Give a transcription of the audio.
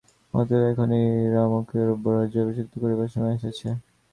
অতএব এক্ষণে রামকে যৌবরাজ্যে অভিষিক্ত করিবার সময় আসিয়াছে।